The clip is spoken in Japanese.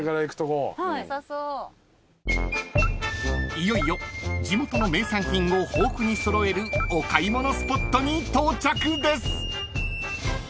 ［いよいよ地元の名産品を豊富に揃えるお買い物スポットに到着です］